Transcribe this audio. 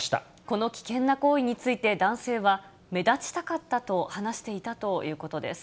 この危険な行為について男性は、目立ちたかったと話していたということです。